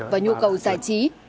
và nhu cầu giải trí dịch vụ